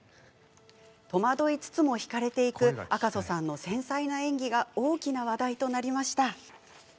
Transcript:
戸惑いつつも、ひかれていく赤楚さんの繊細な演技が大きな話題となりました。